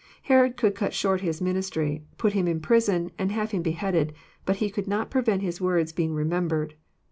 Herod could cut short his ministry, put him in prison, and have him beheaded ; but he could not prevent his words being remembered.